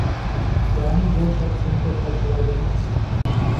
یعنی جو شخص ان کے گھر چلا جائے